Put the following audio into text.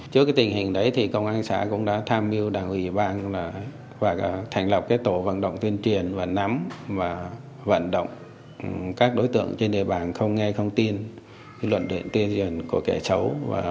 trước tình hình đấy thì công an xã cũng đã tham mưu đảng ủy bang và thành lập tổ vận động tuyên truyền và nắm và vận động các đối tượng trên địa bàn không nghe không tin luận đện tuyên truyền của kẻ xấu